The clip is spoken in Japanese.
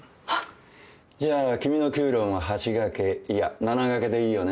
じゃあ君の給料も８掛けいや７掛けでいいよね？